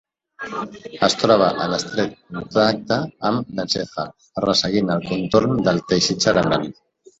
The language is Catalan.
Es troba en estret contacte amb l'encèfal, resseguint el contorn del teixit cerebral.